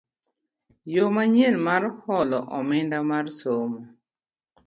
Yo manyien mar holo omenda mar somo